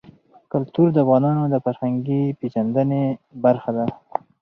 کلتور د افغانانو د فرهنګي پیژندنې برخه ده.